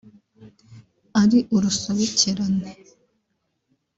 ari urusobekerane